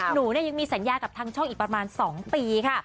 หนูยังมีสัญญากับทางช่องอีกประมาณ๒ปีค่ะ